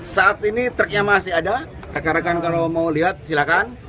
saat ini truknya masih ada rekan rekan kalau mau lihat silakan